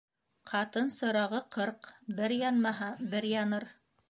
Ҡатын сырағы ҡырҡ, бер янмаһа, бер яныр.